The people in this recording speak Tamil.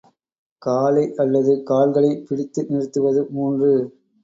காலை அல்லது கால்களைப் பிடித்து நிறுத்துவது, மூன்று.